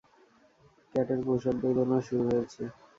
ক্যাটের প্রসববেদনা শুরু হয়েছে।